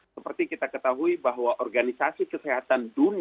seperti kita ketahui bahwa organisasi kesehatan dunia